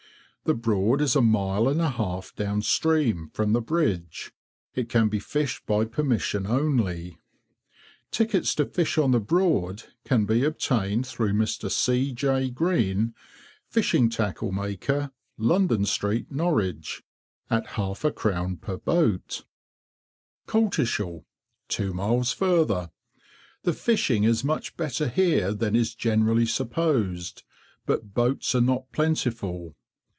The Broad is a mile and a half down stream, from the bridge. It can be fished by permission only. Tickets to fish on the Broad can be obtained through Mr. C. J. Greene, Fishing Tackle Maker, London Street, Norwich, at 2s. 6d. per boat. COLTISHALL. Two miles further. The fishing is much better here than is generally supposed, but boats are not plentiful.